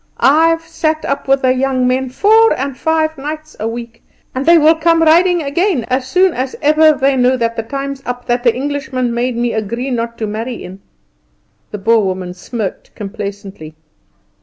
"I've sat up with the young men four and five nights a week. And they will come riding again, as soon as ever they know that the time's up that the Englishman made me agree not to marry in." The Boer woman smirked complacently.